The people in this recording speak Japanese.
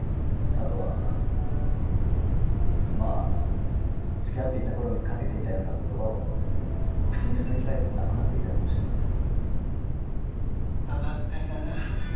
あとはまぁ付き合っていた頃にかけていたような言葉を口にする機会もなくなっていたかもしれません。